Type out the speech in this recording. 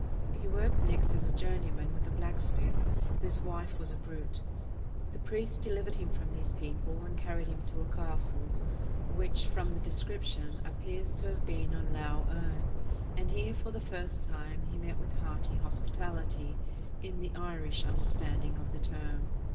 He worked next as a journeyman with a blacksmith, whose wife was a brute. The priest deliv ered him from these people, and carried him to a castle, which, from the description, appears to have been on Lough Erne, and here for the first time he met with 513 SPAIN hearty hospitality, in the Irish understanding of the term.